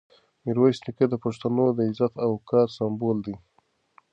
میرویس نیکه د پښتنو د عزت او وقار سمبول دی.